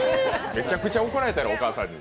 めちゃくちゃ怒られたやろお母さんに。